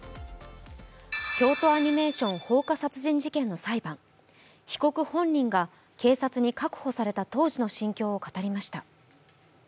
京都アニメーション放火殺人事件の裁判被告本人が警察に確保された当時の心境を語りました。